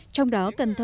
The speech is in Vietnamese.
trong đó cần thơ